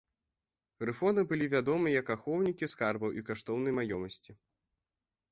Грыфоны былі вядомы як ахоўнікі скарбаў і каштоўнай маёмасці.